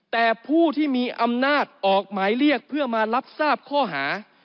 แต่ผู้ที่มีอำนาจออกหมายเรียกเพื่อมารับทราบข้อหา